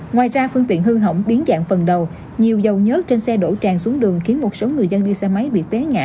ngoài ra phương tiện hư hỏng biến dạng phần đầu nhiều dầu nhớt trên xe đổ tràn xuống đường khiến một số người dân đi xe máy bị té ngã